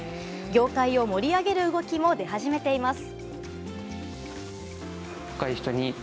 業界を盛り上げる動きも出始めています。